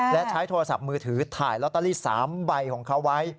และใช้โทรศัพท์มือถือถ่ายลอตเตอรี่๓ใบของเขาไว้